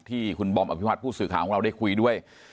ที่คุณบอมอภิวัติผู้สื่อข่าวของเราได้คุยด้วย